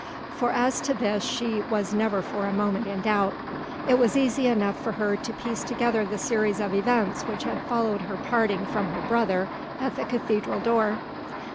For as to this she was never for a moment in doubt. It was easy enough for her to piece together the series of events which had followed her parting from her brother at the cathedral door.